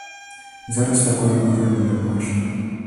Зараз такой выгады не бачна.